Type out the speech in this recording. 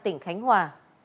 tỉnh khánh hòa